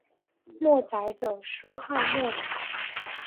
墨翟着书号墨子。